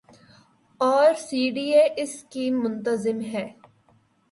اورسی D A اس کی منتظم ہے۔